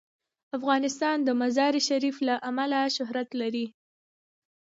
افغانستان د مزارشریف له امله شهرت لري.